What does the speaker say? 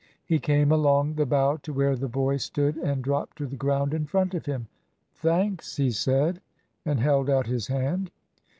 He came along the bough to where the boy stood, and dropped to the ground in front of him. "Thanks," he said, and held out his hand.